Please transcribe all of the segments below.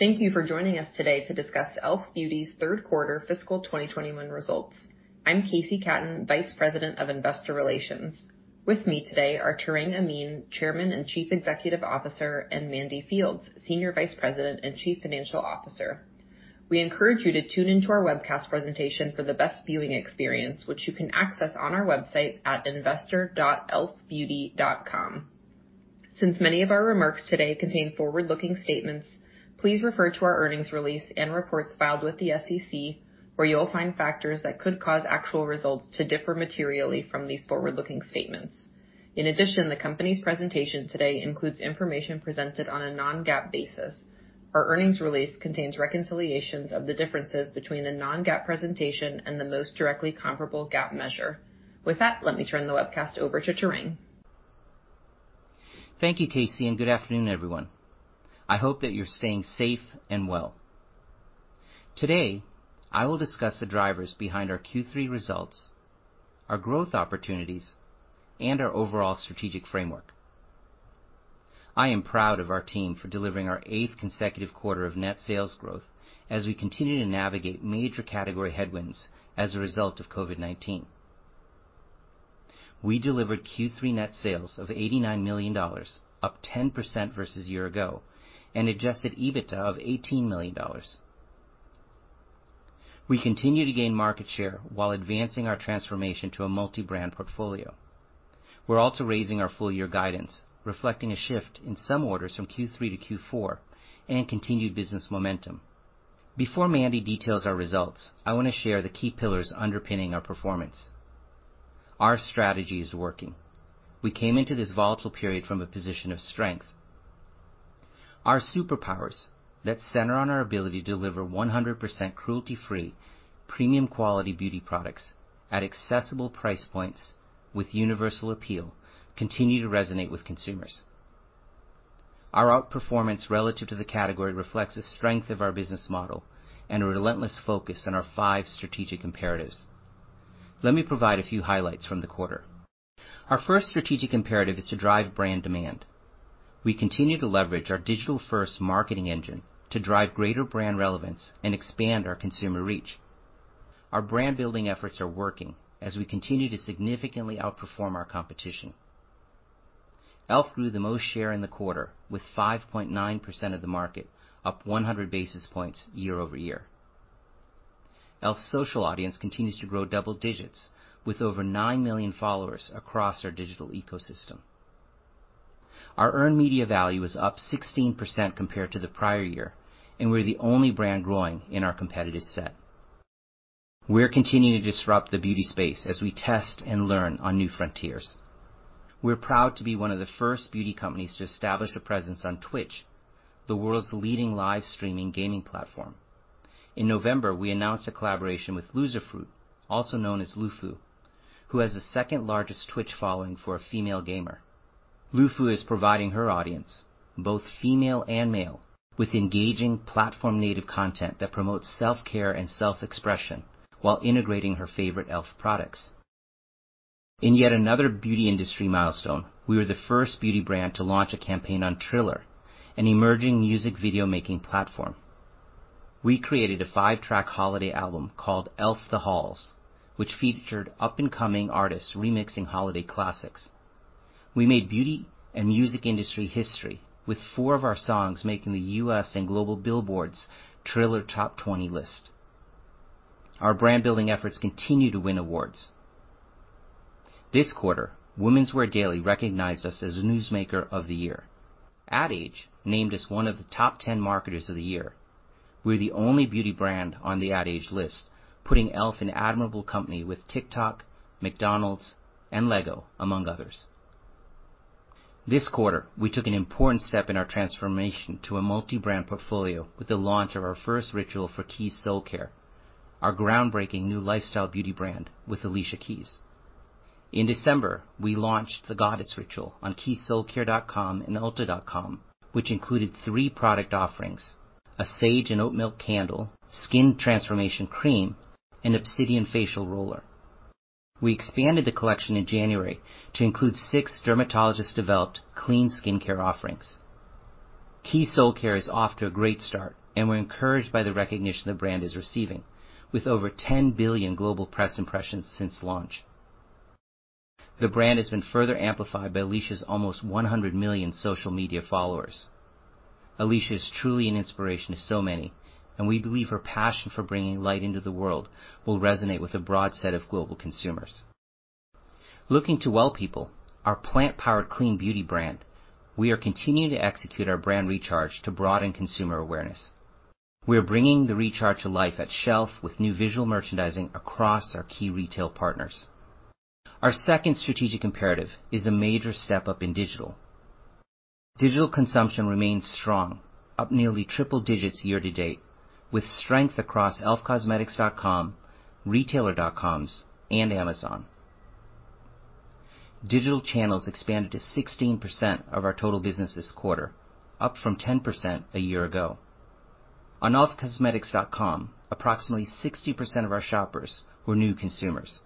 Thank you for joining us today to discuss e.l.f. Beauty's third quarter fiscal 2021 results. I'm KC Katten, Vice President of Investor Relations. With me today are Tarang Amin, Chairman and Chief Executive Officer, and Mandy Fields, Senior Vice President and Chief Financial Officer. We encourage you to tune into our webcast presentation for the best viewing experience, which you can access on our website at investor.elfbeauty.com. Since many of our remarks today contain forward-looking statements, please refer to our earnings release and reports filed with the SEC, where you'll find factors that could cause actual results to differ materially from these forward-looking statements. In addition, the company's presentation today includes information presented on a non-GAAP basis. Our earnings release contains reconciliations of the differences between the non-GAAP presentation and the most directly comparable GAAP measure. With that, let me turn the webcast over to Tarang Thank you, KC, and good afternoon, everyone. I hope that you're staying safe and well. Today, I will discuss the drivers behind our Q3 results, our growth opportunities, and our overall strategic framework. I am proud of our team for delivering our eighth consecutive quarter of net sales growth as we continue to navigate major category headwinds as a result of COVID-19. We delivered Q3 net sales of $89 million, up 10% versus year ago, and adjusted EBITDA of $18 million. We continue to gain market share while advancing our transformation to a multi-brand portfolio. We're also raising our full-year guidance, reflecting a shift in some orders from Q3 to Q4 and continued business momentum. Before Mandy details our results, I want to share the key pillars underpinning our performance. Our strategy is working. We came into this volatile period from a position of strength. Our superpowers that center on our ability to deliver 100% cruelty-free, premium quality beauty products at accessible price points with universal appeal continue to resonate with consumers. Our outperformance relative to the category reflects the strength of our business model and a relentless focus on our five strategic imperatives. Let me provide a few highlights from the quarter. Our first strategic imperative is to drive brand demand. We continue to leverage our digital-first marketing engine to drive greater brand relevance and expand our consumer reach. Our brand-building efforts are working as we continue to significantly outperform our competition. e.l.f. grew the most share in the quarter, with 5.9% of the market, up 100 basis points year-over-year. e.l.f.'s social audience continues to grow double digits, with over nine million followers across our digital ecosystem. Our earned media value is up 16% compared to the prior year, and we're the only brand growing in our competitive set. We're continuing to disrupt the beauty space as we test and learn on new frontiers. We're proud to be one of the first beauty companies to establish a presence on Twitch, the world's leading live streaming gaming platform. In November, we announced a collaboration with Loserfruit, also known as LuFu, who has the second-largest Twitch following for a female gamer. LuFu is providing her audience, both female and male, with engaging platform-native content that promotes self-care and self-expression while integrating her favorite e.l.f. products. In yet another beauty industry milestone, we were the first beauty brand to launch a campaign on Triller, an emerging music video-making platform. We created a five-track holiday album called "e.l.f. the Halls," which featured up-and-coming artists remixing holiday classics. We made beauty and music industry history with four of our songs making the U.S. and global Billboard's Triller Top 20 list. Our brand-building efforts continue to win awards. This quarter, Women's Wear Daily recognized us as Newsmaker of the Year. Ad Age named us one of the top 10 marketers of the year. We're the only beauty brand on the Ad Age list, putting e.l.f. in admirable company with TikTok, McDonald's, and LEGO, among others. This quarter, we took an important step in our transformation to a multi-brand portfolio with the launch of our first ritual for Keys Soulcare, our groundbreaking new lifestyle beauty brand with Alicia Keys. In December, we launched The Goddess Ritual on keyssoulcare.com and ulta.com, which included three product offerings: a Sage + Oat Milk Candle, Skin Transformation Cream, and Obsidian Facial Roller. We expanded the collection in January to include six dermatologist-developed clean skincare offerings. Keys Soulcare is off to a great start, and we're encouraged by the recognition the brand is receiving, with over 10 billion global press impressions since launch. The brand has been further amplified by Alicia's almost 100 million social media followers. Alicia is truly an inspiration to so many, and we believe her passion for bringing light into the world will resonate with a broad set of global consumers. Looking to Well People, our plant-powered clean beauty brand, we are continuing to execute our brand recharge to broaden consumer awareness. We are bringing the recharge to life at shelf with new visual merchandising across our key retail partners. Our second strategic imperative is a major step up in digital. Digital consumption remains strong, up nearly triple digits year to date, with strength across elfcosmetics.com, retailer dot-coms, and Amazon. Digital channels expanded to 16% of our total business this quarter, up from 10% a year ago. On elfcosmetics.com, approximately 60% of our shoppers were new consumers.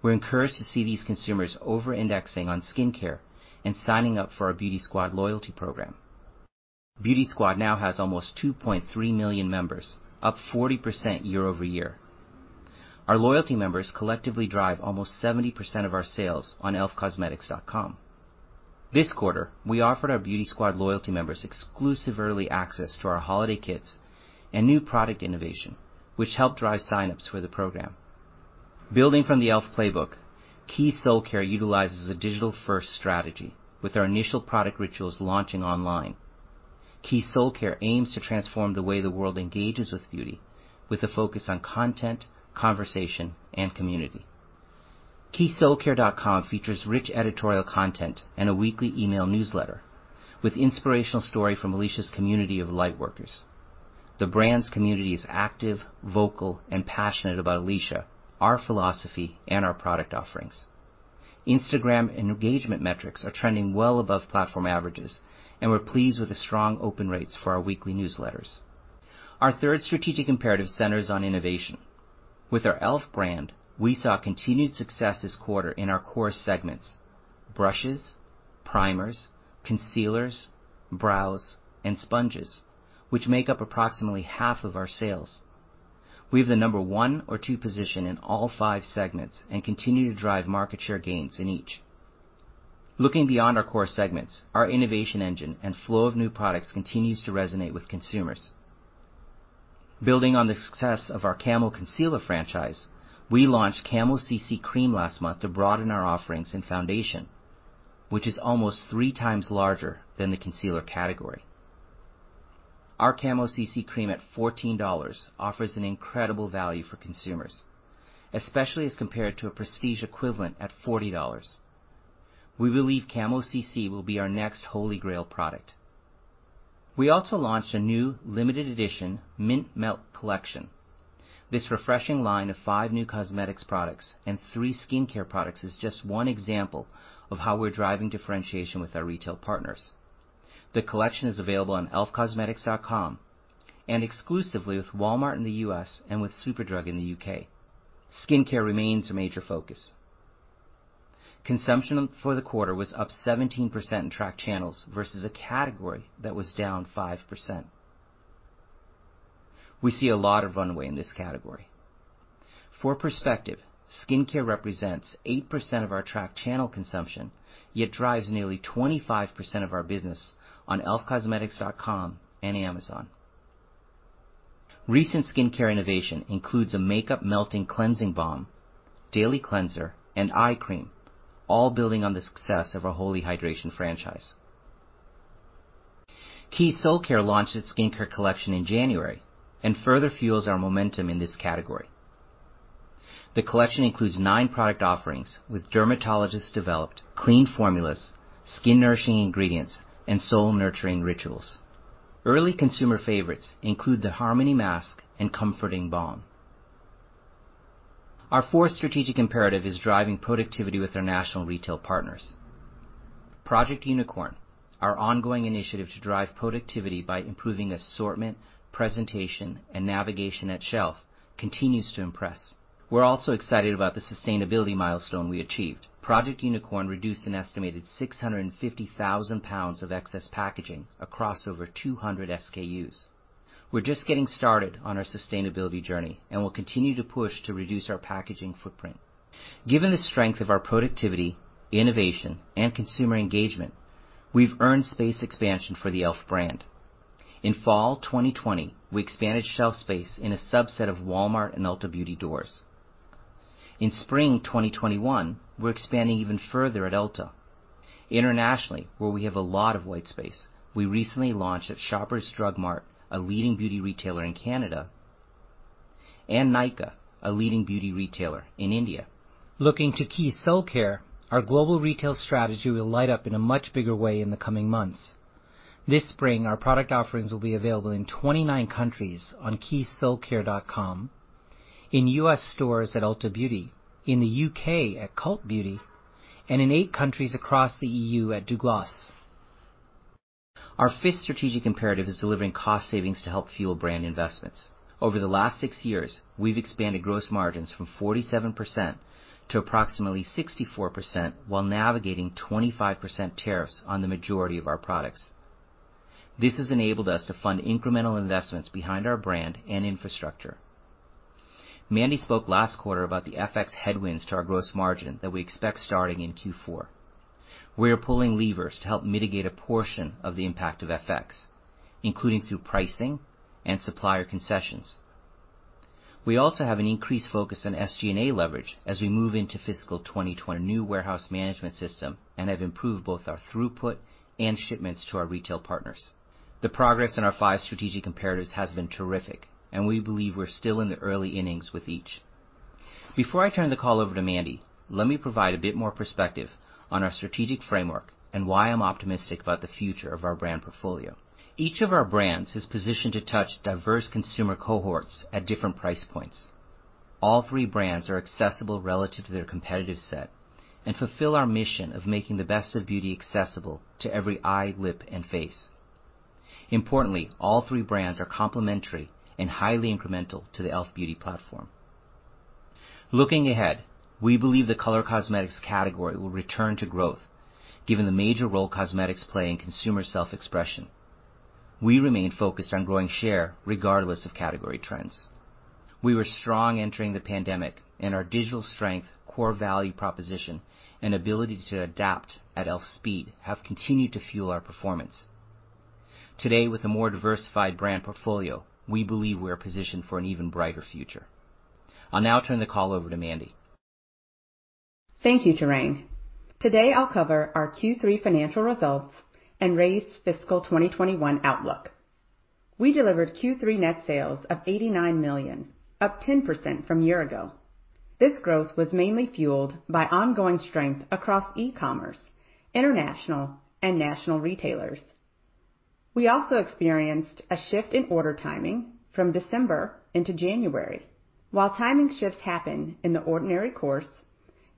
We're encouraged to see these consumers over-indexing on skincare and signing up for our Beauty Squad loyalty program. Beauty Squad now has almost 2.3 million members, up 40% year-over-year. Our loyalty members collectively drive almost 70% of our sales on elfcosmetics.com. This quarter, we offered our Beauty Squad loyalty members exclusive early access to our holiday kits and new product innovation, which helped drive sign-ups for the program. Building from the e.l.f. playbook, Keys Soulcare utilizes a digital-first strategy, with our initial product rituals launching online. Keys Soulcare aims to transform the way the world engages with beauty, with a focus on content, conversation, and community. keyssoulcare.com features rich editorial content and a weekly email newsletter with inspirational story from Alicia's community of lightworkers. The brand's community is active, vocal, passionate about Alicia, our philosophy, and our product offerings. Instagram engagement metrics are trending well above platform averages, and we're pleased with the strong open rates for our weekly newsletters. Our third strategic imperative centers on innovation. With our e.l.f. brand, we saw continued success this quarter in our core segments, brushes, primers, concealers, brows, and sponges, which make up approximately half of our sales. We have the number one or two position in all five segments and continue to drive market share gains in each. Looking beyond our core segments, our innovation engine and flow of new products continues to resonate with consumers. Building on the success of our Camo Concealer franchise, we launched Camo CC Cream last month to broaden our offerings in foundation, which is almost 3x larger than the concealer category. Our Camo CC Cream at $14 offers an incredible value for consumers, especially as compared to a prestige equivalent at $40. We believe Camo CC will be our next holy grail product. We also launched a new limited edition Mint Melt collection. This refreshing line of five new cosmetics products and three skincare products is just one example of how we're driving differentiation with our retail partners. The collection is available on elfcosmetics.com and exclusively with Walmart in the U.S. and with Superdrug in the U.K. Skincare remains a major focus. Consumption for the quarter was up 17% in tracked channels versus a category that was down 5%. We see a lot of runway in this category. For perspective, skincare represents 8% of our tracked channel consumption, yet drives nearly 25% of our business on elfcosmetics.com and Amazon. Recent skincare innovation includes a makeup-melting cleansing balm, daily cleanser, and eye cream, all building on the success of our Holy Hydration!. Keys Soulcare launched its skincare collection in January and further fuels our momentum in this category. The collection includes nine product offerings with dermatologist-developed clean formulas, skin-nourishing ingredients, and soul-nurturing rituals. Early consumer favorites include the Harmony Mask and Comforting Balm. Our fourth strategic imperative is driving productivity with our national retail partners. Project Unicorn, our ongoing initiative to drive productivity by improving assortment, presentation, and navigation at shelf, continues to impress. We're also excited about the sustainability milestone we achieved. Project Unicorn reduced an estimated 650,000 pounds of excess packaging across over 200 SKUs. We're just getting started on our sustainability journey and will continue to push to reduce our packaging footprint. Given the strength of our productivity, innovation, and consumer engagement, we've earned space expansion for the e.l.f. brand. In Fall 2020, we expanded shelf space in a subset of Walmart and Ulta Beauty doors. In Spring 2021, we're expanding even further at Ulta. Internationally, where we have a lot of white space, we recently launched at Shoppers Drug Mart, a leading beauty retailer in Canada, and Nykaa, a leading beauty retailer in India. Looking to Keys Soulcare, our global retail strategy will light up in a much bigger way in the coming months. This spring, our product offerings will be available in 29 countries on keyssoulcare.com, in U.S. stores at Ulta Beauty, in the U.K. at Cult Beauty, and in eight countries across the E.U. at Douglas. Our fifth strategic imperative is delivering cost savings to help fuel brand investments. Over the last six years, we've expanded gross margins from 47% to approximately 64%, while navigating 25% tariffs on the majority of our products. This has enabled us to fund incremental investments behind our brand and infrastructure. Mandy spoke last quarter about the FX headwinds to our gross margin that we expect starting in Q4. We are pulling levers to help mitigate a portion of the impact of FX, including through pricing and supplier concessions. We also have an increased focus on SG&A leverage as we move into fiscal 2022 new warehouse management system and have improved both our throughput and shipments to our retail partners. The progress in our five strategic imperatives has been terrific, and we believe we're still in the early innings with each. Before I turn the call over to Mandy, let me provide a bit more perspective on our strategic framework and why I'm optimistic about the future of our brand portfolio. Each of our brands is positioned to touch diverse consumer cohorts at different price points. All three brands are accessible relative to their competitive set and fulfill our mission of making the best of beauty accessible to every eye, lip, and face. Importantly, all three brands are complementary and highly incremental to the e.l.f. Beauty platform. Looking ahead, we believe the color cosmetics category will return to growth, given the major role cosmetics play in consumer self-expression. We remain focused on growing share regardless of category trends. We were strong entering the pandemic, and our digital strength, core value proposition, and ability to adapt at e.l.f. speed have continued to fuel our performance. Today, with a more diversified brand portfolio, we believe we are positioned for an even brighter future. I'll now turn the call over to Mandy. Thank you, Tarang. Today, I'll cover our Q3 financial results and raise fiscal 2021 outlook. We delivered Q3 net sales of $89 million, up 10% from a year ago. This growth was mainly fueled by ongoing strength across e-commerce, international, and national retailers. We also experienced a shift in order timing from December into January. While timing shifts happen in the ordinary course,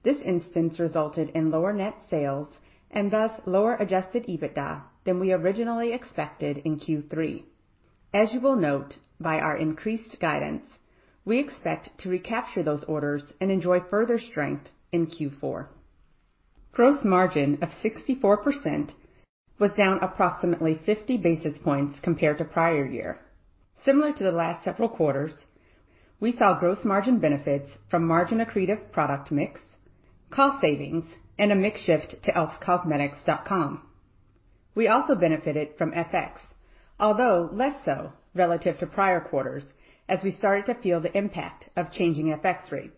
this instance resulted in lower net sales, and thus lower adjusted EBITDA than we originally expected in Q3. As you will note, by our increased guidance, we expect to recapture those orders and enjoy further strength in Q4. Gross margin of 64% was down approximately 50 basis points compared to prior year. Similar to the last several quarters, we saw gross margin benefits from margin-accretive product mix, cost savings, and a mix shift to elfcosmetics.com. We also benefited from FX, although less so relative to prior quarters, as we started to feel the impact of changing FX rates.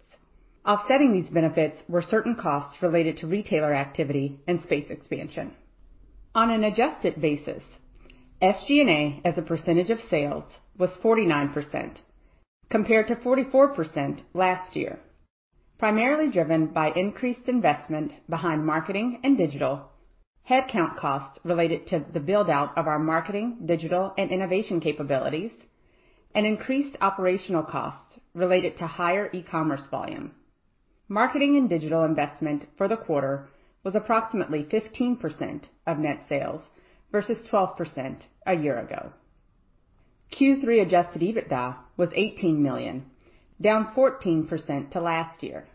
Offsetting these benefits were certain costs related to retailer activity and space expansion. On an adjusted basis, SG&A as a percentage of sales was 49%, compared to 44% last year, primarily driven by increased investment behind marketing and digital, headcount costs related to the build-out of our marketing, digital, and innovation capabilities, and increased operational costs related to higher e-commerce volume. Marketing and digital investment for the quarter was approximately 15% of net sales versus 12% a year ago. Q3 adjusted EBITDA was $18 million, down 14% to last year,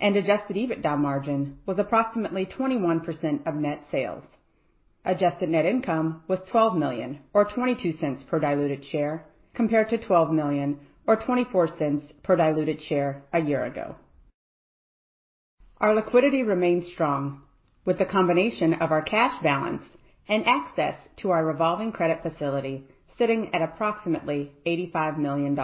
and adjusted EBITDA margin was approximately 21% of net sales. Adjusted net income was $12 million, or $0.22 per diluted share, compared to $12 million, or $0.24 per diluted share a year ago. Our liquidity remains strong with the combination of our cash balance and access to our revolving credit facility sitting at approximately $85 million.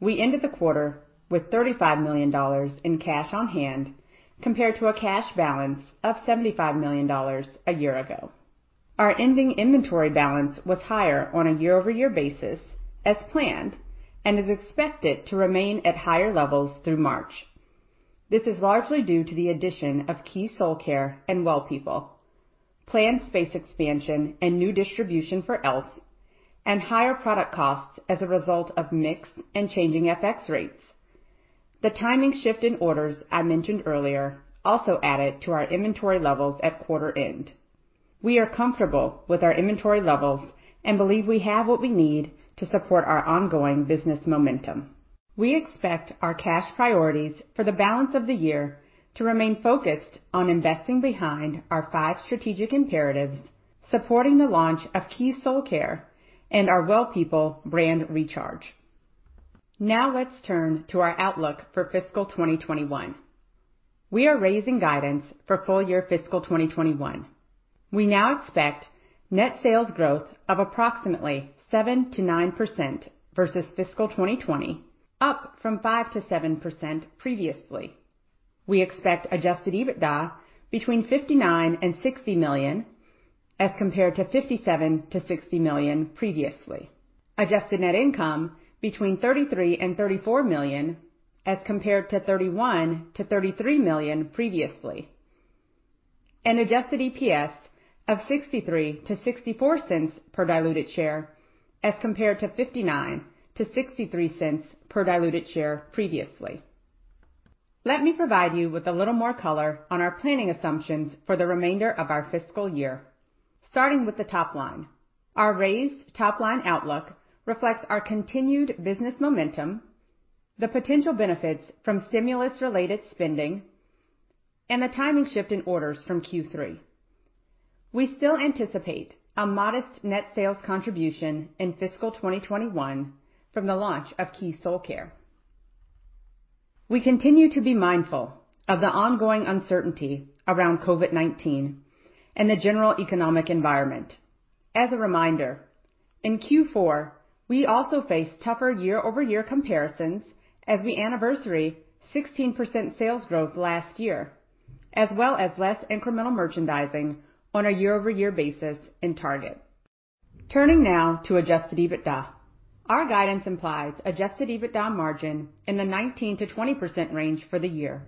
We ended the quarter with $35 million in cash on hand, compared to a cash balance of $75 million a year ago. Our ending inventory balance was higher on a year-over-year basis, as planned, and is expected to remain at higher levels through March. This is largely due to the addition of Keys Soulcare and Well People, planned space expansion, and new distribution for e.l.f., and higher product costs as a result of mix and changing FX rates. The timing shift in orders I mentioned earlier also added to our inventory levels at quarter end. We are comfortable with our inventory levels and believe we have what we need to support our ongoing business momentum. We expect our cash priorities for the balance of the year to remain focused on investing behind our five strategic imperatives, supporting the launch of Keys Soulcare, and our Well People brand recharge. Let's turn to our outlook for fiscal 2021. We are raising guidance for full year fiscal 2021. We now expect net sales growth of approximately 7%-9% versus fiscal 2020, up from 5%-7% previously. We expect adjusted EBITDA between $59 million and $60 million, as compared to $57 million-$60 million previously. Adjusted net income between $33 million and $34 million, as compared to $31 million-$33 million previously. Adjusted EPS of $0.63-$0.64 per diluted share, as compared to $0.59-$0.63 per diluted share previously. Let me provide you with a little more color on our planning assumptions for the remainder of our fiscal year. Starting with the top line, our raised top-line outlook reflects our continued business momentum, the potential benefits from stimulus-related spending, and the timing shift in orders from Q3. We still anticipate a modest net sales contribution in fiscal 2021 from the launch of Keys Soulcare. We continue to be mindful of the ongoing uncertainty around COVID-19 and the general economic environment. As a reminder, in Q4, we also faced tougher year-over-year comparisons as we anniversary 16% sales growth last year, as well as less incremental merchandising on a year-over-year basis in Target. Turning now to adjusted EBITDA. Our guidance implies adjusted EBITDA margin in the 19%-20% range for the year,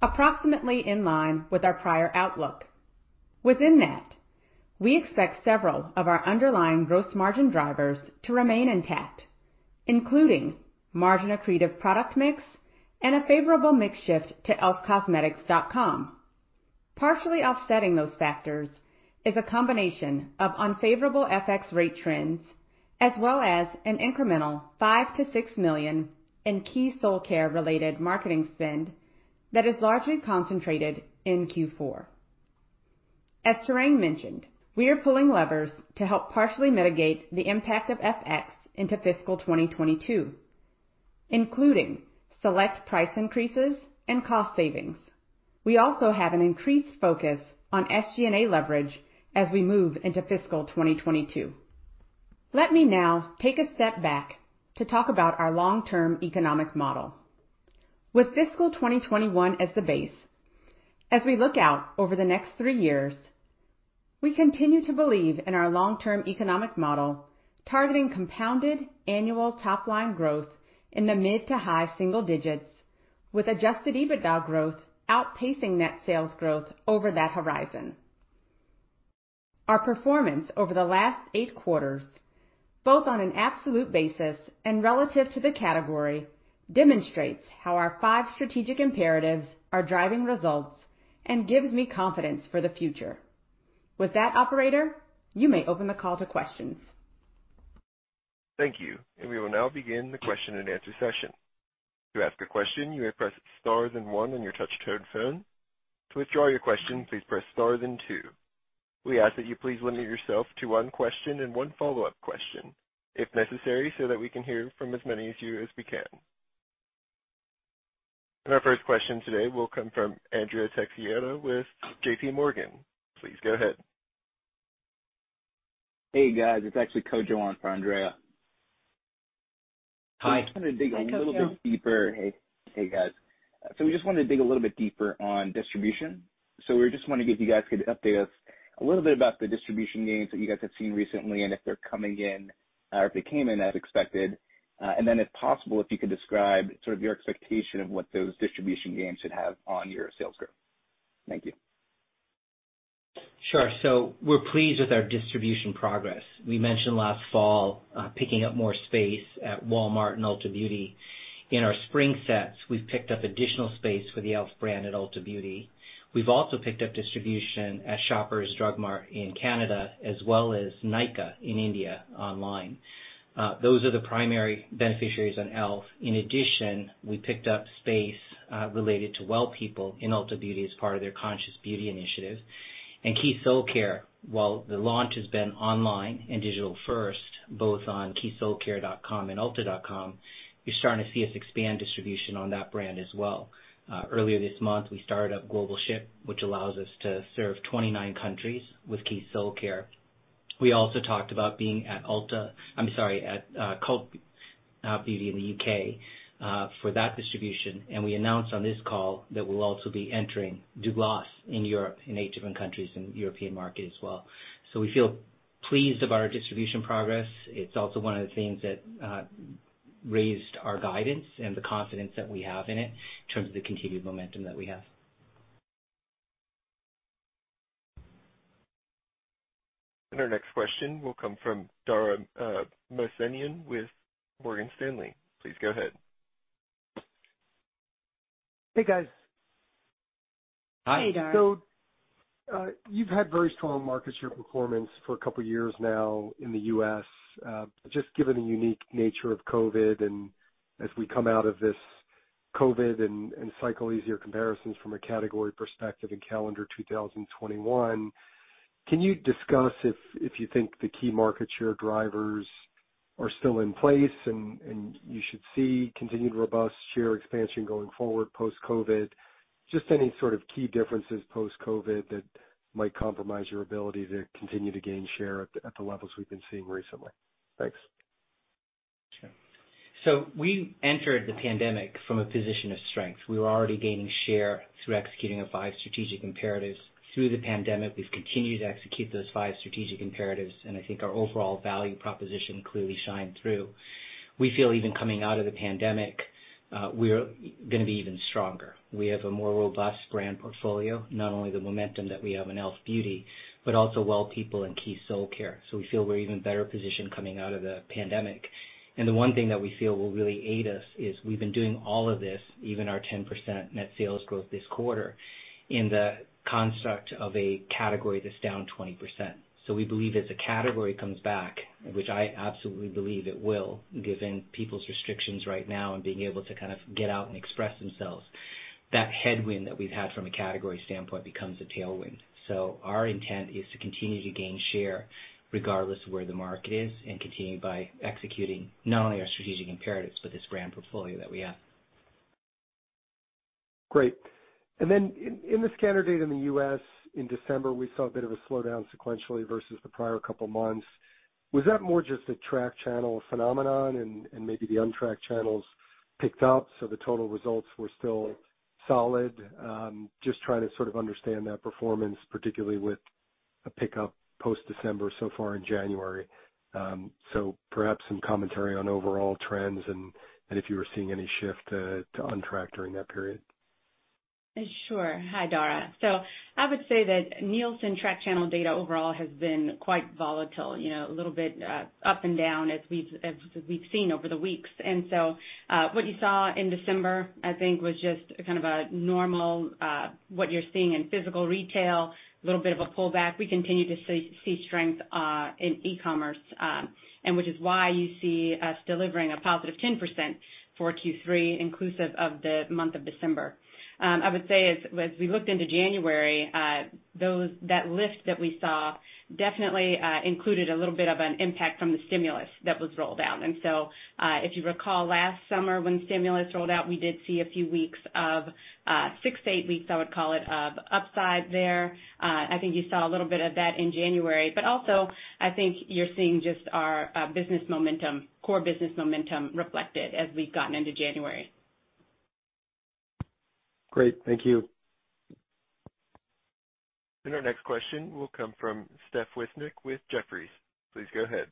approximately in line with our prior outlook. Within that, we expect several of our underlying gross margin drivers to remain intact, including margin accretive product mix and a favorable mix shift to elfcosmetics.com. Partially offsetting those factors is a combination of unfavorable FX rate trends, as well as an incremental $5 million-$6 million in Keys Soulcare related marketing spend that is largely concentrated in Q4. As Tarang mentioned, we are pulling levers to help partially mitigate the impact of FX into fiscal 2022, including select price increases and cost savings. We also have an increased focus on SG&A leverage as we move into fiscal 2022. Let me now take a step back to talk about our long-term economic model. With fiscal 2021 as the base, as we look out over the next three years, we continue to believe in our long-term economic model, targeting compounded annual top-line growth in the mid to high single digits, with adjusted EBITDA growth outpacing net sales growth over that horizon. Our performance over the last eight quarters, both on an absolute basis and relative to the category, demonstrates how our five strategic imperatives are driving results and gives me confidence for the future. With that operator, you may open the call to questions. Thank you. We will now begin the question and answer session. To ask a question, you may press star then one on your touch-tone phone. To withdraw your question, please press star then two. We ask that you please limit yourself to one question and one follow-up question if necessary, so that we can hear from as many of you as we can. Our first question today will come from Andrea Teixeira with JPMorgan. Please go ahead. Hey, guys. It's actually Kojo on for Andrea. Hi. I'm trying to dig a little bit deeper. Hi, Kojo. Hey, guys. We just wanted to dig a little bit deeper on distribution. We just wonder if you guys could update us a little bit about the distribution gains that you guys have seen recently, and if they're coming in or if they came in as expected. If possible, if you could describe sort of your expectation of what those distribution gains should have on your sales growth. Thank you. Sure. We're pleased with our distribution progress. We mentioned last fall, picking up more space at Walmart and Ulta Beauty. In our spring sets, we've picked up additional space for the e.l.f. brand at Ulta Beauty. We've also picked up distribution at Shoppers Drug Mart in Canada, as well as Nykaa in India, online. Those are the primary beneficiaries on e.l.f. In addition, we picked up space related to Well People in Ulta Beauty as part of their Conscious Beauty initiative. Keys Soulcare, while the launch has been online and digital first, both on keyssoulcare.com and ulta.com, you're starting to see us expand distribution on that brand as well. Earlier this month, we started up global ship, which allows us to serve 29 countries with Keys Soulcare. We also talked about being at Ulta, I'm sorry, at Cult Beauty in the U.K., for that distribution. We announced on this call that we'll also be entering Douglas in Europe, in eight different countries in the European market as well. We feel pleased of our distribution progress. It's also one of the things that raised our guidance and the confidence that we have in it in terms of the continued momentum that we have. Our next question will come from Dara Mohsenian with Morgan Stanley. Please go ahead. Hey, guys. Hi. Hey, Dara. You've had very strong market share performance for a couple of years now in the U.S. Just given the unique nature of COVID, and as we come out of this COVID and cycle easier comparisons from a category perspective in calendar 2021, can you discuss if you think the key market share drivers are still in place and you should see continued robust share expansion going forward post-COVID? Just any sort of key differences post-COVID that might compromise your ability to continue to gain share at the levels we've been seeing recently. Thanks. Sure. We entered the pandemic from a position of strength. We were already gaining share through executing our five strategic imperatives. Through the pandemic, we've continued to execute those five strategic imperatives, and I think our overall value proposition clearly shined through. We feel even coming out of the pandemic, we're going to be even stronger. We have a more robust brand portfolio, not only the momentum that we have in e.l.f. Beauty, but also Well People and Keys Soulcare. We feel we're even better positioned coming out of the pandemic. The one thing that we feel will really aid us is we've been doing all of this, even our 10% net sales growth this quarter, in the construct of a category that's down 20%. We believe as the category comes back, which I absolutely believe it will, given people's restrictions right now and being able to kind of get out and express themselves, that headwind that we've had from a category standpoint becomes a tailwind. Our intent is to continue to gain share regardless of where the market is and continue by executing not only our strategic imperatives, but this brand portfolio that we have. Great. In the scanner data in the U.S. in December, we saw a bit of a slowdown sequentially versus the prior couple of months. Was that more just a track channel phenomenon and maybe the untracked channels picked up, so the total results were still solid? Just trying to sort of understand that performance, particularly with. A pickup post December so far in January. Perhaps some commentary on overall trends and if you were seeing any shift to untracked during that period. Sure. Hi, Dara. I would say that Nielsen track channel data overall has been quite volatile, a little bit up and down as we've seen over the weeks. What you saw in December, I think, was just a normal, what you're seeing in physical retail, a little bit of a pullback. We continue to see strength in e-commerce, which is why you see us delivering a positive 10% for Q3 inclusive of the month of December. I would say as we looked into January, that lift that we saw definitely included a little bit of an impact from the stimulus that was rolled out. If you recall last summer when stimulus rolled out, we did see a few weeks of, six to eight weeks I would call it, of upside there. I think you saw a little bit of that in January. Also, I think you're seeing just our core business momentum reflected as we've gotten into January. Great. Thank you. Our next question will come from Steph Wissink with Jefferies. Please go ahead.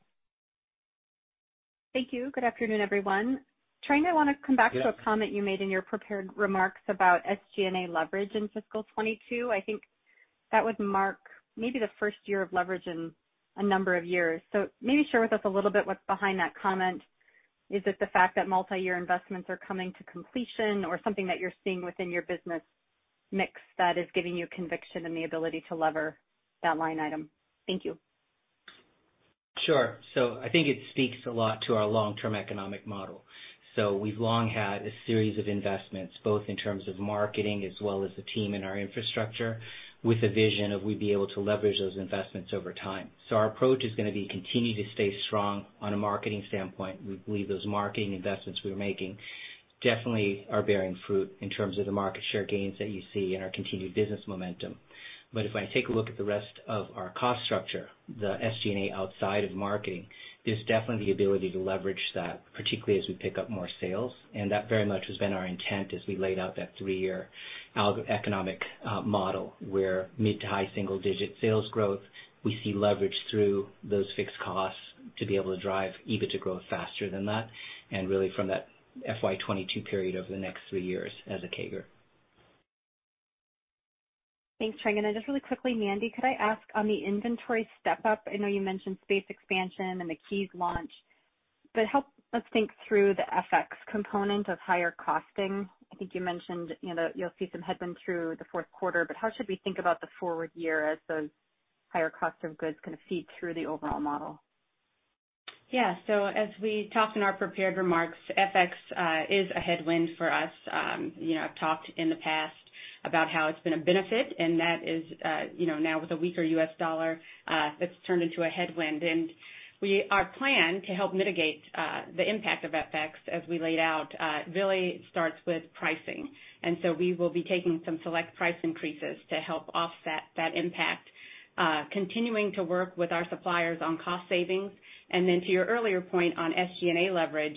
Thank you. Good afternoon, everyone. Tarang, I want to come back to a comment you made in your prepared remarks about SG&A leverage in fiscal 2022. I think that would mark maybe the first year of leverage in a number of years. Maybe share with us a little bit what's behind that comment. Is it the fact that multi-year investments are coming to completion or something that you're seeing within your business mix that is giving you conviction in the ability to lever that line item? Thank you. Sure. I think it speaks a lot to our long-term economic model. We've long had a series of investments, both in terms of marketing as well as the team and our infrastructure, with a vision of we'd be able to leverage those investments over time. Our approach is going to be continue to stay strong on a marketing standpoint. We believe those marketing investments we are making definitely are bearing fruit in terms of the market share gains that you see and our continued business momentum. If I take a look at the rest of our cost structure, the SG&A outside of marketing, there's definitely the ability to leverage that, particularly as we pick up more sales. That very much has been our intent as we laid out that three-year economic model, where mid-to-high single-digit sales growth, we see leverage through those fixed costs to be able to drive EBITDA growth faster than that, and really from that FY 2022 period over the next three years as a CAGR. Thanks, Tarang. Just really quickly, Mandy, could I ask on the inventory step-up, I know you mentioned space expansion and the Keys launch, but help us think through the FX component of higher costing. I think you mentioned you'll see some headwind through the fourth quarter, but how should we think about the forward year as those higher costs of goods kind of feed through the overall model? Yeah. As we talked in our prepared remarks, FX is a headwind for us. I've talked in the past about how it's been a benefit, and that is, now with a weaker U.S. dollar, that's turned into a headwind. Our plan to help mitigate the impact of FX as we laid out, really starts with pricing. We will be taking some select price increases to help offset that impact, continuing to work with our suppliers on cost savings. To your earlier point on SG&A leverage,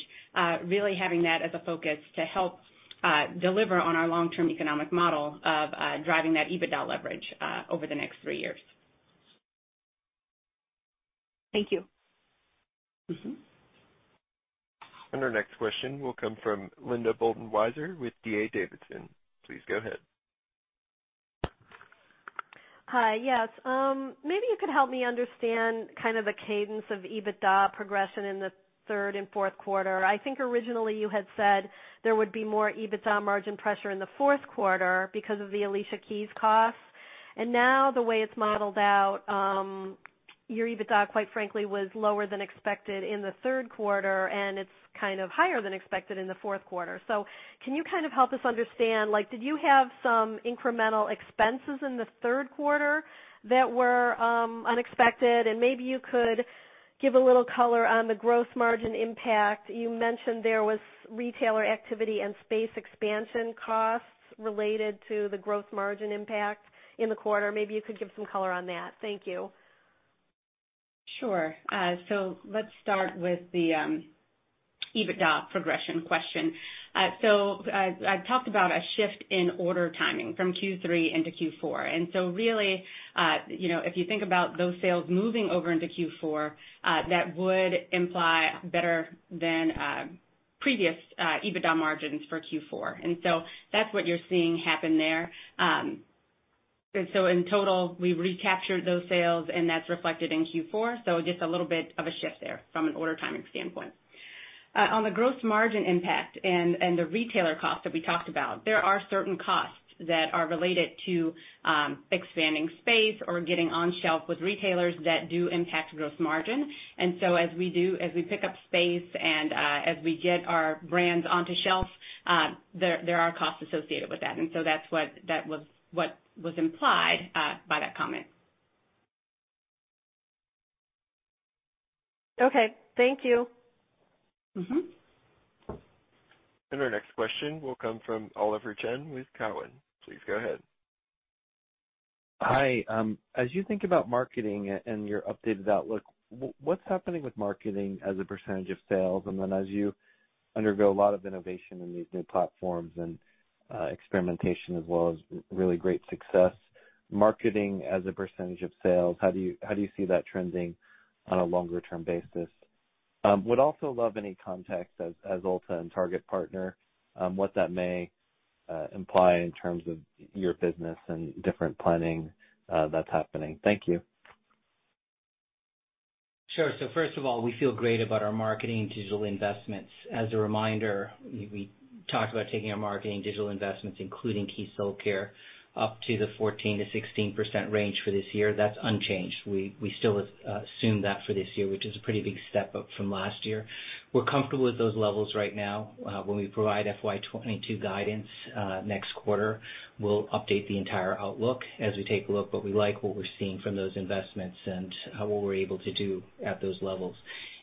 really having that as a focus to help deliver on our long-term economic model of driving that EBITDA leverage over the next three years. Thank you. Our next question will come from Linda Bolton Weiser with D.A. Davidson. Please go ahead. Hi. Yes. Maybe you could help me understand kind of the cadence of EBITDA progression in the third and fourth quarter. I think originally you had said there would be more EBITDA margin pressure in the fourth quarter because of the Alicia Keys costs. Now the way it's modeled out, your EBITDA, quite frankly, was lower than expected in the third quarter, and it's kind of higher than expected in the fourth quarter. Can you help us understand, did you have some incremental expenses in the third quarter that were unexpected? Maybe you could give a little color on the gross margin impact. You mentioned there was retailer activity and space expansion costs related to the gross margin impact in the quarter. Maybe you could give some color on that. Thank you. Sure. Let's start with the EBITDA progression question. I talked about a shift in order timing from Q3 into Q4. Really, if you think about those sales moving over into Q4, that would imply better than previous EBITDA margins for Q4. That's what you're seeing happen there. In total, we recaptured those sales, and that's reflected in Q4. Just a little bit of a shift there from an order timing standpoint. On the gross margin impact and the retailer cost that we talked about, there are certain costs that are related to expanding space or getting on shelf with retailers that do impact gross margin. As we pick up space and as we get our brands onto shelf, there are costs associated with that. That was what was implied by that comment. Okay. Thank you. Our next question will come from Oliver Chen with Cowen. Please go ahead. Hi. As you think about marketing and your updated outlook, what's happening with marketing as a percentage of sales? As you undergo a lot of innovation in these new platforms and experimentation as well as really great success. Marketing as a percentage of sales, how do you see that trending on a longer-term basis? Would also love any context as Ulta and Target partner, what that may imply in terms of your business and different planning that's happening. Thank you. Sure. First of all, we feel great about our marketing and digital investments. As a reminder, we talked about taking our marketing and digital investments, including Keys Soulcare, up to the 14%-16% range for this year. That's unchanged. We still assume that for this year, which is a pretty big step up from last year. We're comfortable with those levels right now. When we provide FY 2022 guidance next quarter, we'll update the entire outlook as we take a look. We like what we're seeing from those investments and what we're able to do at those levels.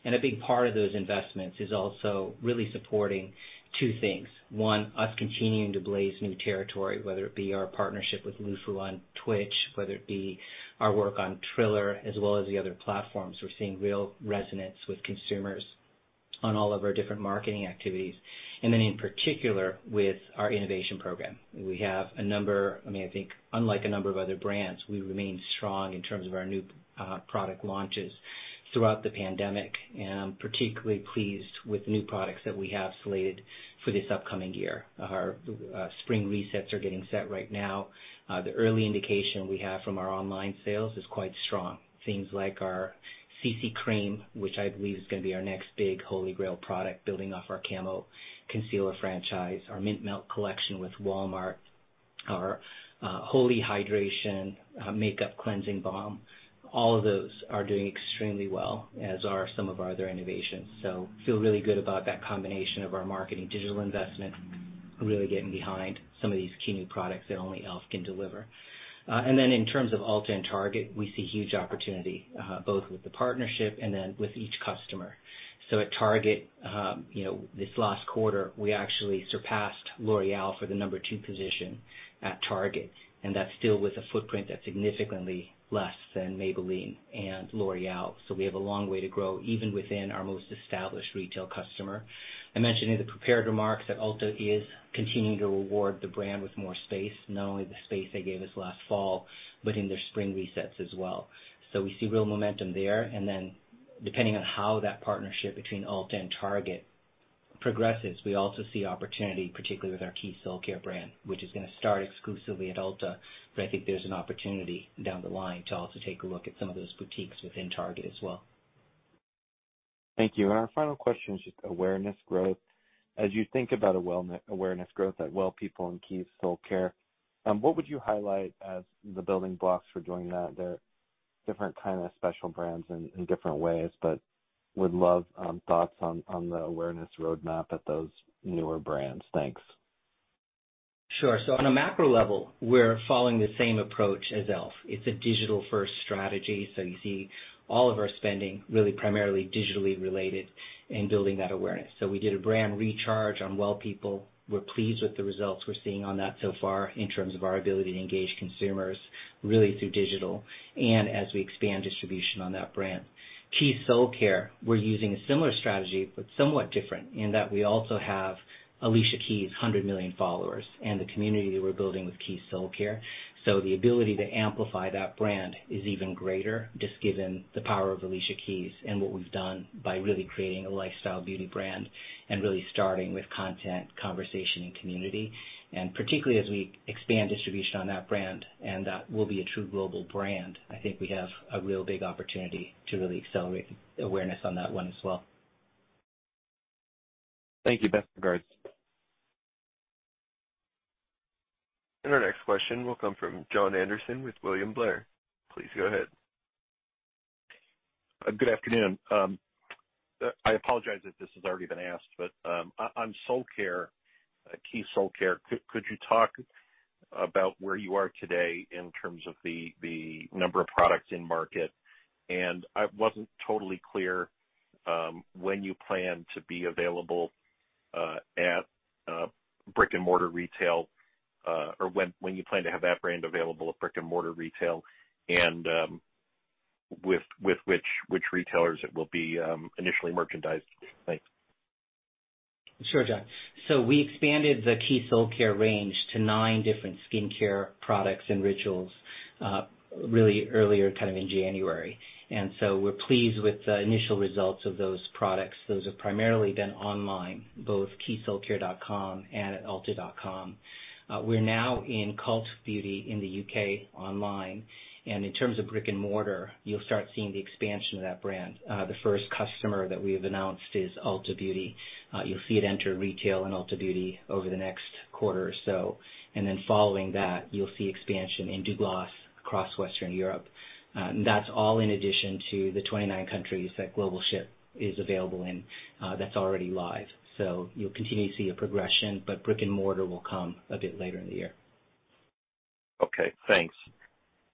A big part of those investments is also really supporting two things. One, us continuing to blaze new territory, whether it be our partnership with LuFu on Twitch, whether it be our work on Triller, as well as the other platforms. We're seeing real resonance with consumers on all of our different marketing activities. In particular, with our innovation program. We have a number, I think unlike a number of other brands, we remain strong in terms of our new product launches throughout the pandemic, and I'm particularly pleased with the new products that we have slated for this upcoming year. Our spring resets are getting set right now. The early indication we have from our online sales is quite strong. Things like our Camo CC Cream, which I believe is going to be our next big holy grail product, building off our Camo Concealer franchise, our Mint Melt collection with Walmart, our Holy Hydration! Makeup Melting Cleansing Balm. All of those are doing extremely well, as are some of our other innovations. Feel really good about that combination of our marketing digital investment, really getting behind some of these key new products that only e.l.f. can deliver. In terms of Ulta and Target, we see huge opportunity, both with the partnership and with each customer. At Target, this last quarter, we actually surpassed L'Oréal for the number two position at Target, and that's still with a footprint that's significantly less than Maybelline and L'Oréal. We have a long way to grow, even within our most established retail customer. I mentioned in the prepared remarks that Ulta is continuing to reward the brand with more space, not only the space they gave us last fall, but in their spring resets as well. We see real momentum there, and then depending on how that partnership between Ulta and Target progresses, we also see opportunity, particularly with our Keys Soulcare brand, which is going to start exclusively at Ulta. I think there's an opportunity down the line to also take a look at some of those boutiques within Target as well. Thank you. Our final question is just awareness growth. As you think about awareness growth at Well People and Keys Soulcare, what would you highlight as the building blocks for doing that? They're different kind of special brands in different ways, but would love thoughts on the awareness roadmap at those newer brands. Thanks. Sure. On a macro level, we're following the same approach as e.l.f. It's a digital-first strategy, you see all of our spending really primarily digitally related in building that awareness. We did a brand recharge on Well People. We're pleased with the results we're seeing on that so far in terms of our ability to engage consumers really through digital and as we expand distribution on that brand. Keys Soulcare, we're using a similar strategy, but somewhat different in that we also have Alicia Keys, 100 million followers, and the community that we're building with Keys Soulcare. The ability to amplify that brand is even greater, just given the power of Alicia Keys and what we've done by really creating a lifestyle beauty brand and really starting with content, conversation, and community. Particularly as we expand distribution on that brand, and that will be a true global brand, I think we have a real big opportunity to really accelerate awareness on that one as well. Thank you. Best regards. Our next question will come from Jon Andersen with William Blair. Please go ahead. Good afternoon. I apologize if this has already been asked, but on Keys Soulcare, Keys Soulcare, could you talk about where you are today in terms of the number of products in market? I wasn't totally clear when you plan to be available at brick-and-mortar retail, or when you plan to have that brand available at brick-and-mortar retail, and with which retailers it will be initially merchandised. Thanks. Sure, Jon. We expanded the Keys Soulcare range to nine different skincare products and rituals really earlier, kind of in January. We're pleased with the initial results of those products. Those have primarily been online, both keyssoulcare.com and at ulta.com. We're now in Cult Beauty in the U.K. online, and in terms of brick and mortar, you'll start seeing the expansion of that brand. The first customer that we have announced is Ulta Beauty. You'll see it enter retail in Ulta Beauty over the next quarter or so. Following that, you'll see expansion in Douglas across Western Europe. That's all in addition to the 29 countries that global ship is available in that's already live. You'll continue to see a progression, but brick and mortar will come a bit later in the year. Okay, thanks.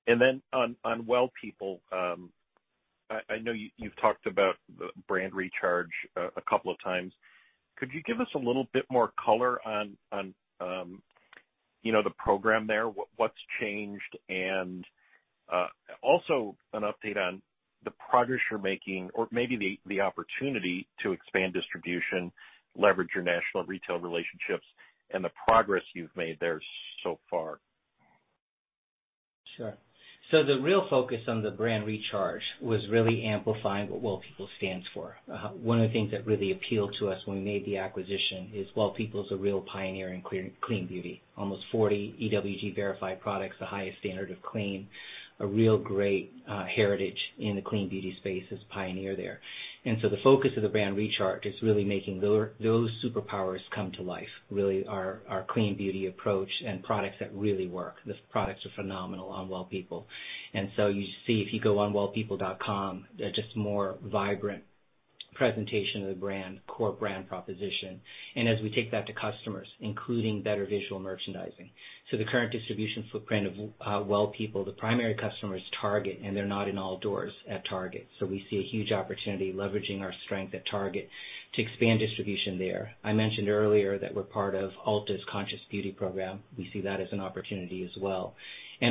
On Well People, I know you've talked about the brand recharge a couple of times. Could you give us a little bit more color on the program there, what's changed, and also an update on the progress you're making or maybe the opportunity to expand distribution, leverage your national retail relationships, and the progress you've made there so far. Sure. The real focus on the brand recharge was really amplifying what Well People stands for. One of the things that really appealed to us when we made the acquisition is Well People is a real pioneer in clean beauty. Almost 40 EWG Verified products, the highest standard of clean, a real great heritage in the clean beauty space as a pioneer there. The focus of the brand recharge is really making those superpowers come to life. Really our clean beauty approach and products that really work. The products are phenomenal on wellpeople.com. You see, if you go on wellpeople.com, they're just more vibrant presentation of the brand, core brand proposition, and as we take that to customers, including better visual merchandising. The current distribution footprint of Well People, the primary customer is Target, and they're not in all doors at Target. We see a huge opportunity leveraging our strength at Target to expand distribution there. I mentioned earlier that we're part of Ulta's Conscious Beauty program. We see that as an opportunity as well.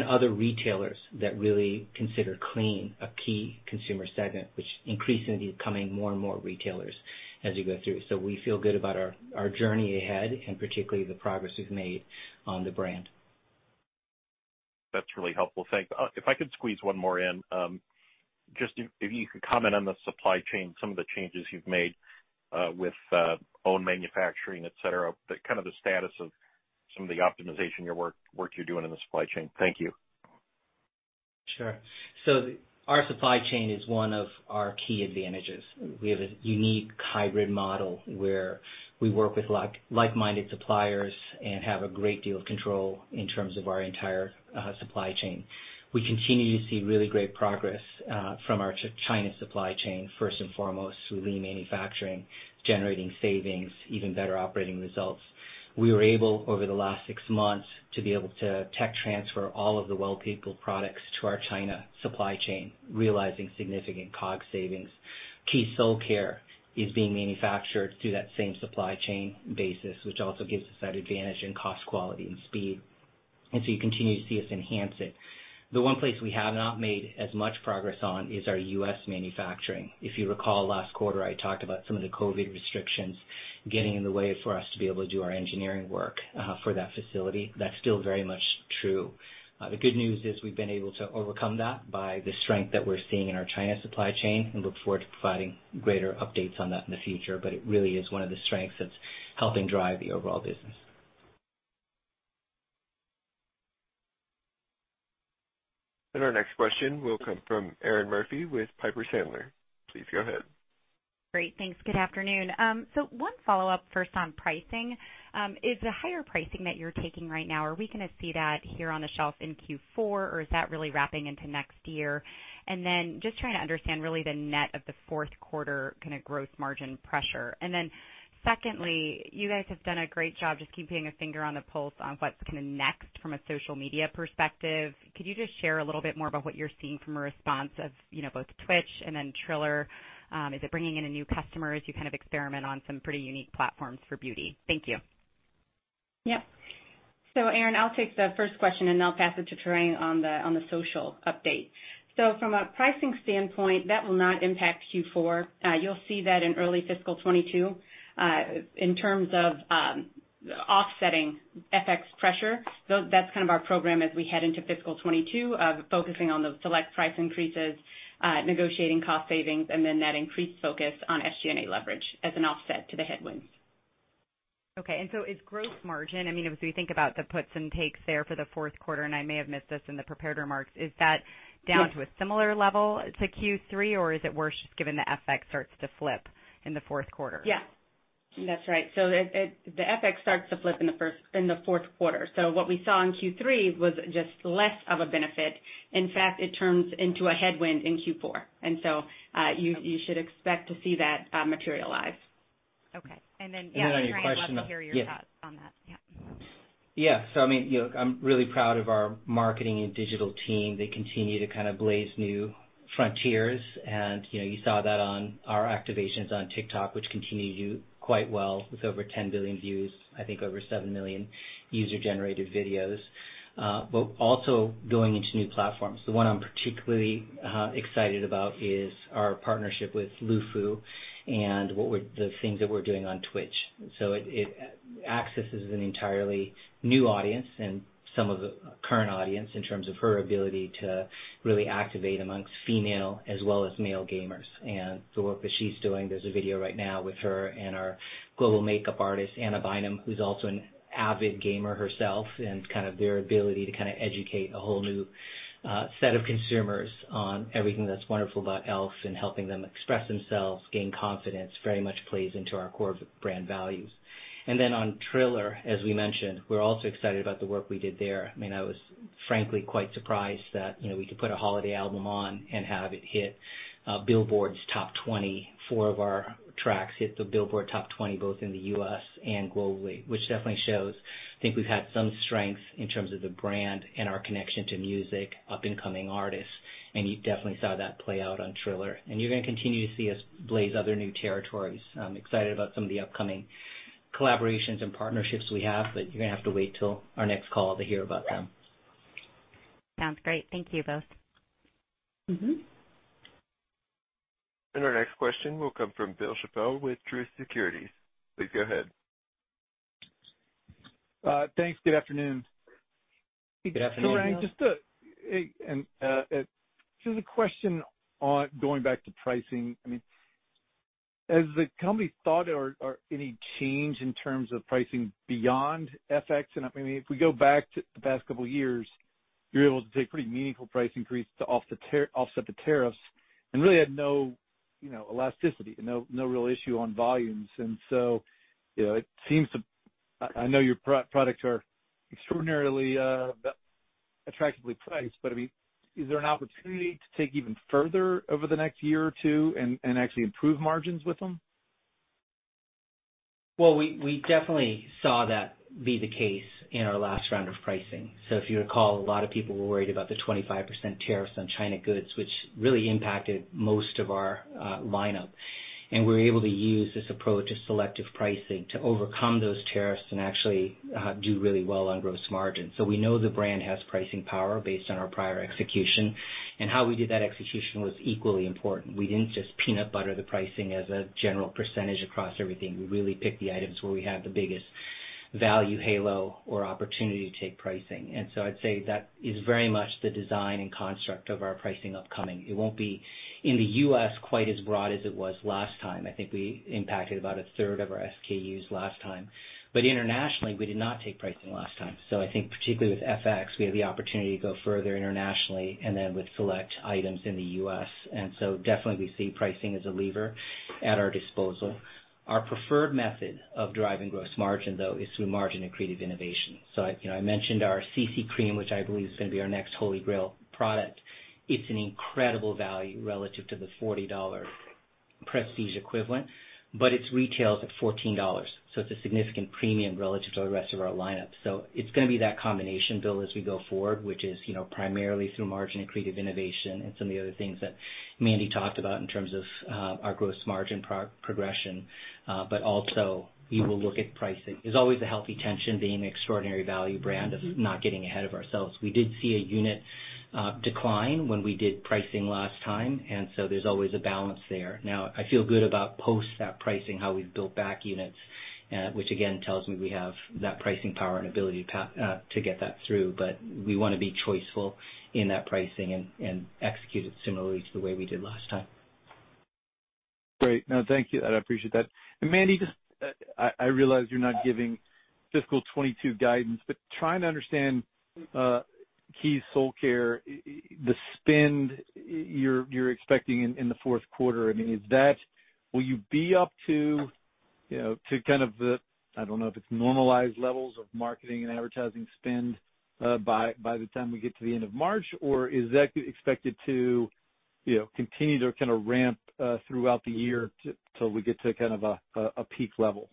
Other retailers that really consider clean a key consumer segment, which increasingly is becoming more and more retailers as you go through. We feel good about our journey ahead and particularly the progress we've made on the brand. That's really helpful. Thanks. If I could squeeze one more in, just if you could comment on the supply chain, some of the changes you've made, with own manufacturing, et cetera, kind of the status of some of the optimization work you're doing in the supply chain. Thank you. Sure. Our supply chain is one of our key advantages. We have a unique hybrid model where we work with like-minded suppliers and have a great deal of control in terms of our entire supply chain. We continue to see really great progress, from our China supply chain, first and foremost, through lean manufacturing, generating savings, even better operating results. We were able, over the last six months, to be able to tech transfer all of the Well People products to our China supply chain, realizing significant COGS savings. Keys Soulcare is being manufactured through that same supply chain basis, which also gives us that advantage in cost, quality, and speed. You continue to see us enhance it. The one place we have not made as much progress on is our U.S. manufacturing. If you recall last quarter, I talked about some of the COVID restrictions getting in the way for us to be able to do our engineering work for that facility. That's still very much true. The good news is we've been able to overcome that by the strength that we're seeing in our China supply chain and look forward to providing greater updates on that in the future. It really is one of the strengths that's helping drive the overall business. Our next question will come from Erinn Murphy with Piper Sandler. Please go ahead. Great, thanks. Good afternoon. One follow-up first on pricing. Is the higher pricing that you're taking right now, are we going to see that here on the shelf in Q4, or is that really wrapping into next year? Just trying to understand really the net of the fourth quarter kind of gross margin pressure. Secondly, you guys have done a great job just keeping a finger on the pulse on what's kind of next from a social media perspective. Could you just share a little bit more about what you're seeing from a response of both Twitch and then Triller? Is it bringing in a new customer as you kind of experiment on some pretty unique platforms for beauty? Thank you. Yep. Erinn, I'll take the first question, and then I'll pass it to Tarang on the social update. From a pricing standpoint, that will not impact Q4. You'll see that in early fiscal 2022. In terms of offsetting FX pressure, that's kind of our program as we head into fiscal 2022, focusing on the select price increases, negotiating cost savings, and then that increased focus on SG&A leverage as an offset to the headwinds. Okay. Is gross margin, as we think about the puts and takes there for the fourth quarter, and I may have missed this in the prepared remarks, is that down to a similar level to Q3, or is it worse just given the FX starts to flip in the fourth quarter? Yeah. That's right. The FX starts to flip in the fourth quarter. What we saw in Q3 was just less of a benefit. In fact, it turns into a headwind in Q4. You should expect to see that materialize. Okay. Yeah, Tarang, I'd love to hear your thoughts on that. Yeah. Yeah. I'm really proud of our marketing and digital team. They continue to kind of blaze new frontiers, and you saw that on our activations on TikTok, which continue to do quite well with over 10 billion views, I think over 7 million user-generated videos. Also going into new platforms. The one I'm particularly excited about is our partnership with LuFu and the things that we're doing on Twitch. It accesses an entirely new audience and some of the current audience in terms of her ability to really activate amongst female as well as male gamers. The work that she's doing, there's a video right now with her and our global makeup artist, Anna Bynum, who's also an avid gamer herself, and kind of their ability to kind of educate a whole new set of consumers on everything that's wonderful about e.l.f. Helping them express themselves, gain confidence, very much plays into our core brand values. On Triller, as we mentioned, we're also excited about the work we did there. I was frankly quite surprised that we could put a holiday album on and have it hit Billboard's Top 20. Four of our tracks hit the Billboard Top 20, both in the U.S. and globally, which definitely shows I think we've had some strength in terms of the brand and our connection to music, up-and-coming artists. You definitely saw that play out on Triller. You're going to continue to see us blaze other new territories. I'm excited about some of the upcoming collaborations and partnerships we have, but you're going to have to wait till our next call to hear about them. Sounds great. Thank you both. Our next question will come from Bill Chappell with Truist Securities. Please go ahead. Thanks. Good afternoon. Good afternoon, Bill. Good afternoon. Tarang, just a question on going back to pricing. Has the company thought or any change in terms of pricing beyond FX? If we go back to the past couple of years, you were able to take pretty meaningful price increase to offset the tariffs and really had no elasticity, no real issue on volumes. I know your products are extraordinarily attractively priced, but is there an opportunity to take even further over the next year or two and actually improve margins with them? Well, we definitely saw that be the case in our last round of pricing. If you recall, a lot of people were worried about the 25% tariffs on China goods, which really impacted most of our lineup. We were able to use this approach of selective pricing to overcome those tariffs and actually do really well on gross margin. We know the brand has pricing power based on our prior execution, and how we did that execution was equally important. We didn't just peanut butter the pricing as a general percentage across everything. We really picked the items where we had the biggest value halo or opportunity to take pricing. I'd say that is very much the design and construct of our pricing upcoming. It won't be in the U.S. quite as broad as it was last time. I think we impacted about a third of our SKUs last time. Internationally, we did not take pricing last time. I think particularly with FX, we have the opportunity to go further internationally and then with select items in the U.S. Definitely we see pricing as a lever at our disposal. Our preferred method of driving gross margin, though, is through margin accretive innovation. I mentioned our CC Cream, which I believe is going to be our next Holy Grail product. It's an incredible value relative to the $40 prestige equivalent, but it retails at $14. It's a significant premium relative to the rest of our lineup. It's going to be that combination, Bill, as we go forward, which is primarily through margin accretive innovation and some of the other things that Mandy talked about in terms of our gross margin progression. Also, we will look at pricing. There's always a healthy tension being an extraordinary value brand of not getting ahead of ourselves. We did see a unit decline when we did pricing last time, and so there's always a balance there. Now, I feel good about post that pricing, how we've built back units, which again tells me we have that pricing power and ability to get that through. We want to be choiceful in that pricing and execute it similarly to the way we did last time. Great. No, thank you. I appreciate that. Mandy, I realize you're not giving fiscal 2022 guidance, but trying to understand Keys Soulcare, the spend you're expecting in the fourth quarter. Will you be up to, I don't know if it's normalized levels of marketing and advertising spend, by the time we get to the end of March? Is that expected to continue to kind of ramp throughout the year till we get to kind of a peak level?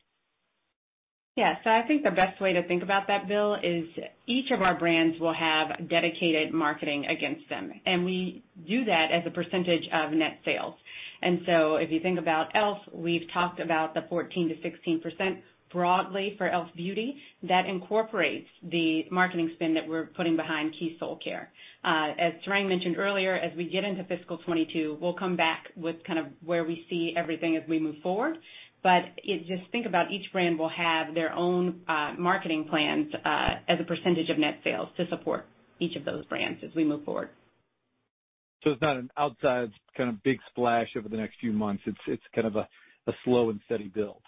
Yeah. I think the best way to think about that, Bill, is each of our brands will have dedicated marketing against them, and we do that as a percentage of net sales. If you think about e.l.f., we've talked about the 14%-16% broadly for e.l.f. Beauty. That incorporates the marketing spend that we're putting behind Keys Soulcare. As Tarang mentioned earlier, as we get into fiscal 2022, we'll come back with kind of where we see everything as we move forward. Just think about each brand will have their own marketing plans as a percentage of net sales to support each of those brands as we move forward. It's not an outside kind of big splash over the next few months. It's kind of a slow and steady build.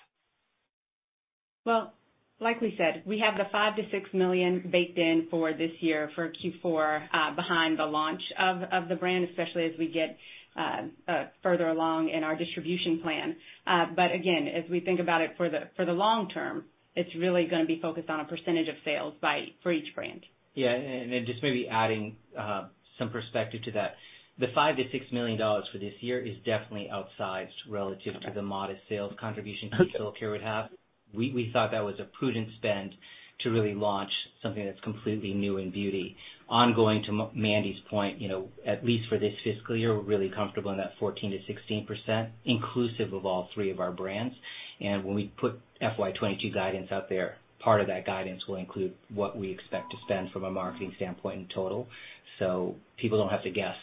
Well, like we said, we have the $5 million-$6 million baked in for this year for Q4 behind the launch of the brand, especially as we get further along in our distribution plan. Again, as we think about it for the long term, it's really going to be focused on a percentage of sales for each brand. Just maybe adding some perspective to that. The $5 million-$6 million for this year is definitely outsized relative to the modest sales contribution Keys Soulcare would have. We thought that was a prudent spend to really launch something that's completely new in beauty. Ongoing to Mandy's point, at least for this fiscal year, we're really comfortable in that 14%-16%, inclusive of all three of our brands. When we put FY 2022 guidance out there, part of that guidance will include what we expect to spend from a marketing standpoint in total, so people don't have to guess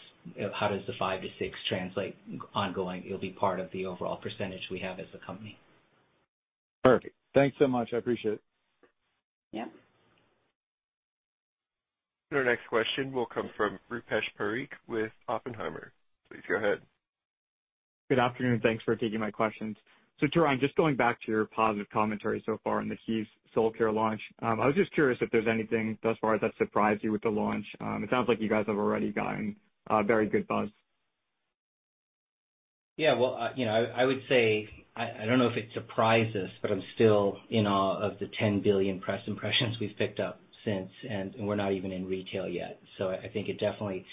how does the $5 million-$6 million translate ongoing. It'll be part of the overall percentage we have as a company. Perfect. Thanks so much. I appreciate it. Yeah. Our next question will come from Rupesh Parikh with Oppenheimer. Please go ahead. Good afternoon. Thanks for taking my questions. Tarang, just going back to your positive commentary so far on the Keys Soulcare launch, I was just curious if there's anything thus far that surprised you with the launch. It sounds like you guys have already gotten a very good buzz. Yeah. Well, I would say, I don't know if it surprised us, but I'm still in awe of the 10 billion press impressions we've picked up since, and we're not even in retail yet. I think it definitely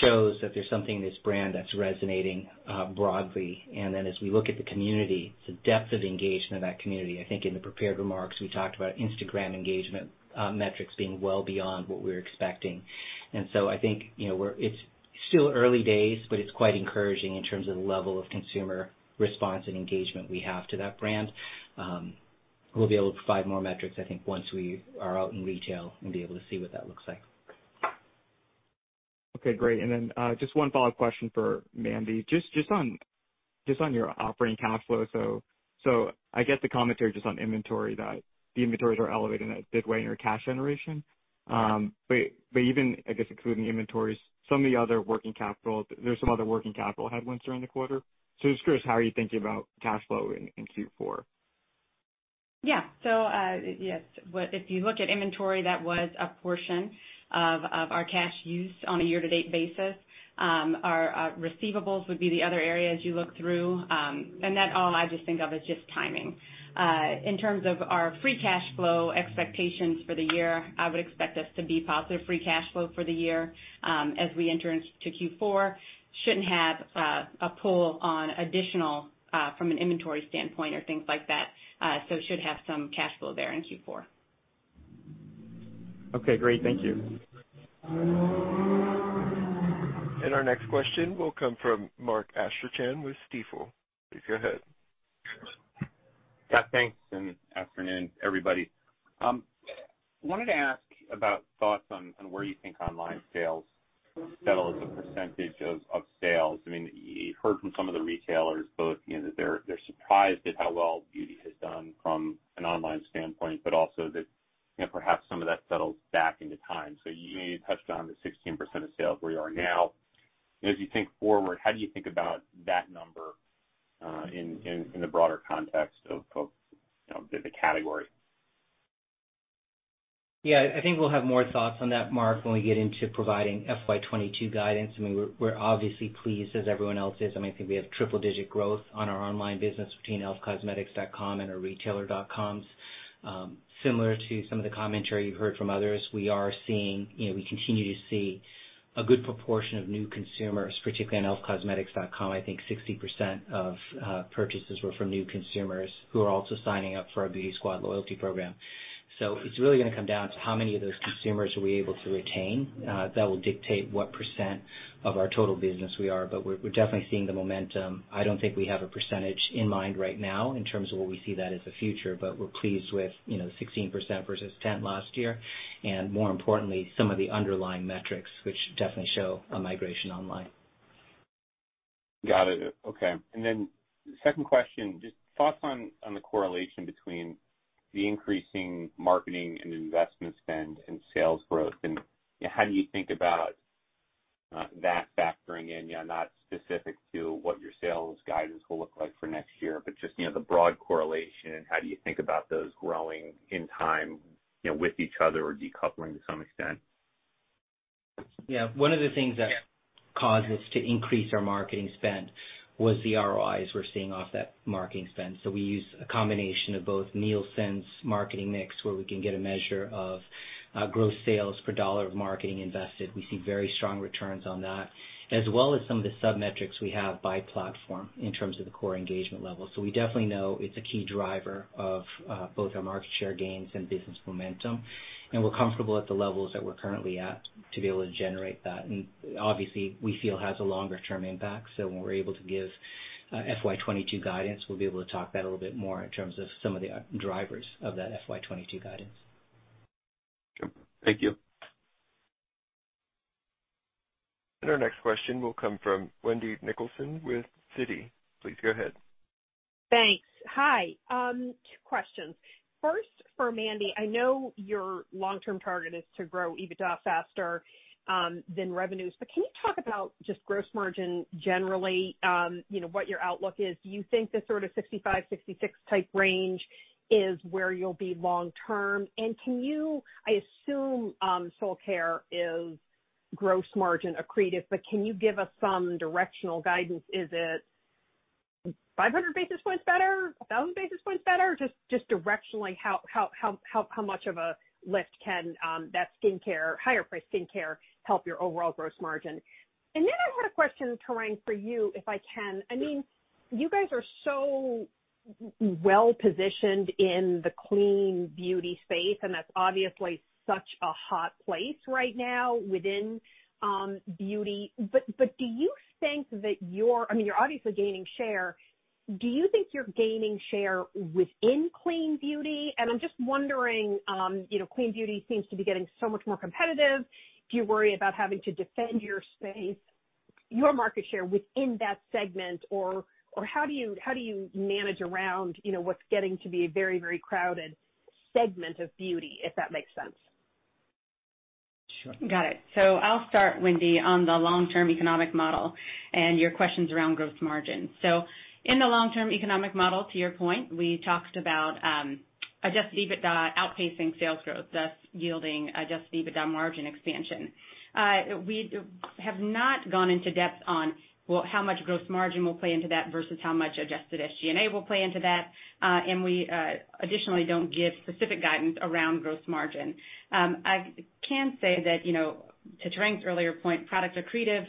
shows that there's something in this brand that's resonating broadly. As we look at the community, the depth of engagement of that community, I think in the prepared remarks, we talked about Instagram engagement metrics being well beyond what we were expecting. I think it's still early days, but it's quite encouraging in terms of the level of consumer response and engagement we have to that brand. We'll be able to provide more metrics, I think, once we are out in retail and be able to see what that looks like. Okay, great. Just one follow-up question for Mandy. Just on your operating cash flow. I get the commentary just on inventory, that the inventories are elevating a bit, weighing your cash generation. Even, I guess, excluding inventories, some of the other working capital, there's some other working capital headwinds during the quarter. Just curious, how are you thinking about cash flow in Q4? Yes, if you look at inventory, that was a portion of our cash used on a year-to-date basis. Our receivables would be the other area, as you look through. That all I just think of as just timing. In terms of our free cash flow expectations for the year, I would expect us to be positive free cash flow for the year, as we enter into Q4. Shouldn't have a pull on additional, from an inventory standpoint or things like that. Should have some cash flow there in Q4. Okay, great. Thank you. Our next question will come from Mark Astrachan with Stifel. Please go ahead. Yeah, thanks. Afternoon, everybody. Wanted to ask about thoughts on where you think online sales settle as a percentage of sales. You've heard from some of the retailers, both that they're surprised at how well beauty has done from an online standpoint, but also that perhaps some of that settles back into time. You touched on the 16% of sales where you are now. As you think forward, how do you think about that number, in the broader context of the category? I think we'll have more thoughts on that, Mark, when we get into providing FY 2022 guidance. We're obviously pleased, as everyone else is. I think we have triple digit growth on our online business between elfcosmetics.com and our retailer dot-coms. Similar to some of the commentary you've heard from others, we continue to see a good proportion of new consumers, particularly on elfcosmetics.com. I think 60% of purchases were from new consumers who are also signing up for our Beauty Squad loyalty program. It's really going to come down to how many of those consumers are we able to retain. That will dictate what percent of our total business we are, we're definitely seeing the momentum. I don't think we have a percentage in mind right now in terms of where we see that as a future, but we're pleased with 16% versus 10% last year, and more importantly, some of the underlying metrics, which definitely show a migration online. Got it. Okay. Second question, just thoughts on the correlation between the increasing marketing and investment spend and sales growth, and how do you think about that factoring in, not specific to what your sales guidance will look like for next year, but just the broad correlation and how do you think about those growing in time with each other or decoupling to some extent? Yeah. One of the things that caused us to increase our marketing spend was the ROIs we're seeing off that marketing spend. We use a combination of both Nielsen's marketing mix, where we can get a measure of gross sales per dollar of marketing invested. We see very strong returns on that, as well as some of the sub-metrics we have by platform in terms of the core engagement level. We definitely know it's a key driver of both our market share gains and business momentum, and we're comfortable at the levels that we're currently at to be able to generate that. Obviously, we feel has a longer term impact. When we're able to give FY 2022 guidance, we'll be able to talk that a little bit more in terms of some of the drivers of that FY 2022 guidance. Thank you. Our next question will come from Wendy Nicholson with Citi. Please go ahead. Thanks. Hi. Two questions. First, for Mandy, I know your long-term target is to grow EBITDA faster than revenues, but can you talk about just gross margin generally, what your outlook is? Do you think the sort of 65%-66% type range is where you'll be long-term? I assume Soulcare is gross margin accretive, but can you give us some directional guidance? Is it 500 basis points better, 1,000 basis points better? Just directionally, how much of a lift can that higher-priced skincare help your overall gross margin? I had a question, Tarang, for you, if I can. You guys are so well-positioned in the clean beauty space, and that's obviously such a hot place right now within beauty. I mean, you're obviously gaining share. Do you think you're gaining share within clean beauty? I'm just wondering, clean beauty seems to be getting so much more competitive. Do you worry about having to defend your space, your market share within that segment, or how do you manage around what's getting to be a very crowded segment of beauty, if that makes sense? Got it. I'll start, Wendy, on the long term economic model and your questions around gross margin. In the long term economic model, to your point, we talked about adjusted EBITDA outpacing sales growth, thus yielding adjusted EBITDA margin expansion. We have not gone into depth on, well, how much gross margin will play into that versus how much adjusted SG&A will play into that, and we additionally don't give specific guidance around gross margin. I can say that, to Tarang's earlier point, product accretive,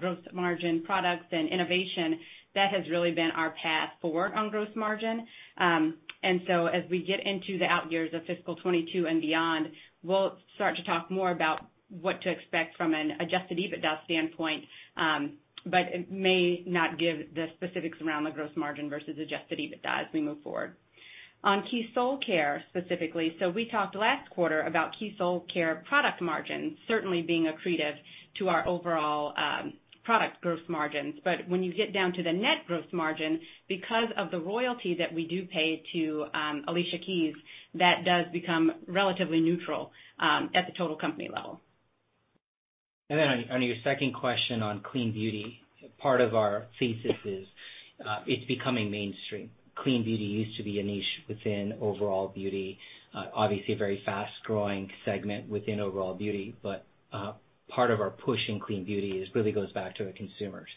gross margin products and innovation, that has really been our path forward on gross margin. As we get into the out years of fiscal 2022 and beyond, we'll start to talk more about what to expect from an adjusted EBITDA standpoint, but it may not give the specifics around the gross margin versus adjusted EBITDA as we move forward. On Keys Soulcare specifically, we talked last quarter about Keys Soulcare product margins certainly being accretive to our overall product gross margins. When you get down to the net gross margin, because of the royalty that we do pay to Alicia Keys, that does become relatively neutral at the total company level. On your second question on clean beauty, part of our thesis is it's becoming mainstream. Clean beauty used to be a niche within overall beauty. Obviously, a very fast-growing segment within overall beauty, but part of our push in clean beauty really goes back to our consumers.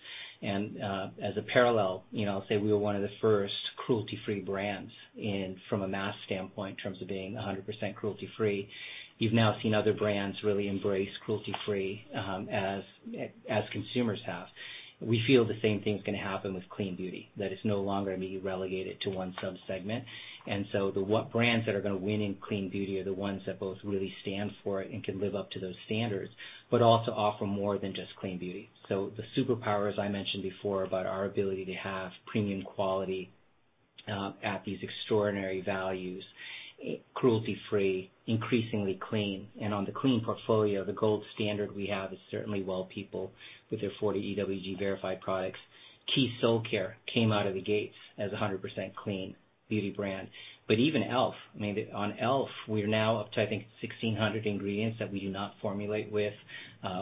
As a parallel, I'll say we were one of the first cruelty-free brands from a mass standpoint in terms of being 100% cruelty-free. You've now seen other brands really embrace cruelty-free as consumers have. We feel the same thing's going to happen with clean beauty, that it's no longer going to be relegated to one sub-segment. The what brands that are going to win in clean beauty are the ones that both really stand for it and can live up to those standards, but also offer more than just clean beauty. The superpower, as I mentioned before, about our ability to have premium quality at these extraordinary values, cruelty-free, increasingly clean. On the clean portfolio, the gold standard we have is certainly Well People with their 40 EWG verified products. Keys Soulcare came out of the gates as 100% clean beauty brand. Even e.l.f., on e.l.f., we are now up to, I think, 1,600 ingredients that we do not formulate with.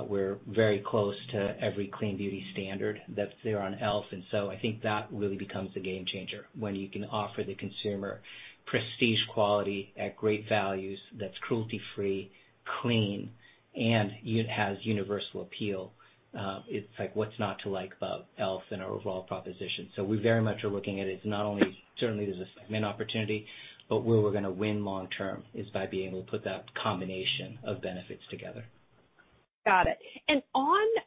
We're very close to every clean beauty standard that's there on e.l.f., I think that really becomes the game changer when you can offer the consumer prestige quality at great values that's cruelty-free, clean, and has universal appeal. It's like, what's not to like about e.l.f. and our overall proposition? We very much are looking at it as not only certainly there's a segment opportunity, but where we're going to win long term is by being able to put that combination of benefits together. Got it.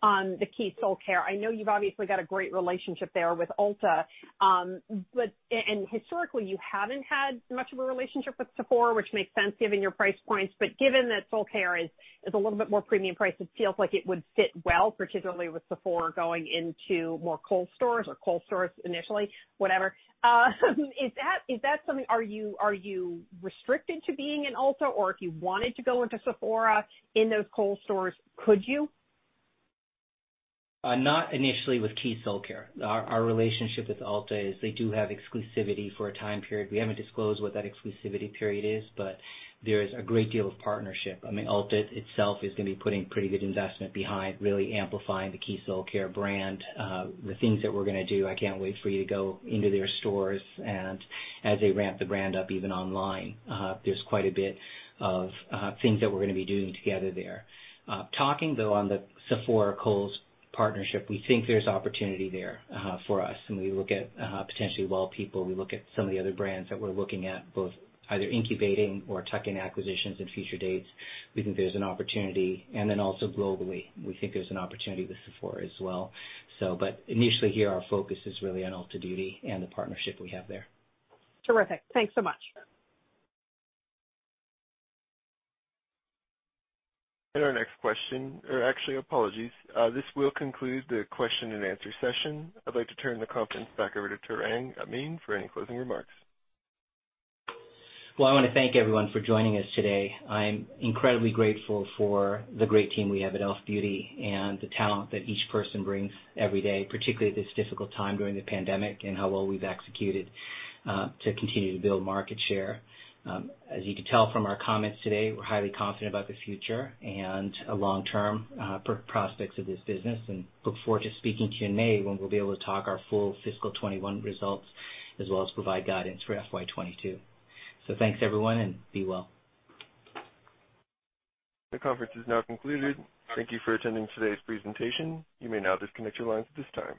On the Keys Soulcare, I know you've obviously got a great relationship there with Ulta. Historically, you haven't had much of a relationship with Sephora, which makes sense given your price points. Given that Soulcare is a little bit more premium priced, it feels like it would fit well, particularly with Sephora going into more Kohl's stores or Kohl's stores initially, whatever. Are you restricted to being in Ulta, or if you wanted to go into Sephora in those Kohl's stores, could you? Not initially with Keys Soulcare. Our relationship with Ulta is they do have exclusivity for a time period. We haven't disclosed what that exclusivity period is. There is a great deal of partnership. Ulta itself is going to be putting pretty good investment behind really amplifying the Keys Soulcare brand. The things that we're going to do, I can't wait for you to go into their stores. As they ramp the brand up even online, there's quite a bit of things that we're going to be doing together there. Talking though on the Sephora-Kohl's partnership, we think there's opportunity there for us. We look at potentially Well People. We look at some of the other brands that we're looking at, both either incubating or tuck-in acquisitions at future dates. We think there's an opportunity. Also globally, we think there's an opportunity with Sephora as well. Initially here, our focus is really on Ulta Beauty and the partnership we have there. Terrific. Thanks so much. Actually, apologies. This will conclude the question and answer session. I'd like to turn the conference back over to Tarang Amin for any closing remarks. Well, I want to thank everyone for joining us today. I'm incredibly grateful for the great team we have at e.l.f. Beauty and the talent that each person brings every day, particularly at this difficult time during the pandemic, and how well we've executed to continue to build market share. As you can tell from our comments today, we're highly confident about the future and long-term prospects of this business, and look forward to speaking to you in May when we'll be able to talk our full fiscal 2021 results, as well as provide guidance for FY 2022. Thanks everyone, and be well. The conference is now concluded. Thank you for attending today's presentation. You may now disconnect your lines at the time.